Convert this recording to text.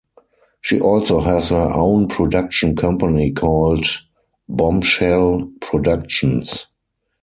She also has her own production company called "Bombchelle Productions".